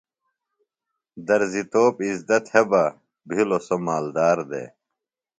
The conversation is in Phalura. درزیۡ توپ اِزدہ تھےۡ بہ، بِھلوۡ سوۡ مالدار دےۡ